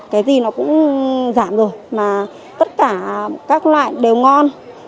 cái gì nó cũng giảm rồi mà tất cả các loại đều ngon